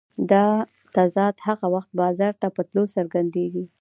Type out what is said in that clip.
دا تضاد هغه وخت بازار ته په تلو څرګندېږي